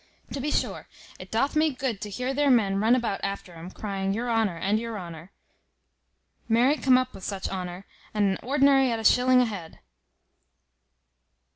To be sure it doth me good to hear their men run about after 'um, crying your honour, and your honour. Marry come up with such honour, and an ordinary at a shilling a head.